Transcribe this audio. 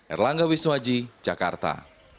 erlangga wisnuaji jakarta